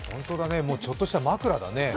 ちょっとした枕だね。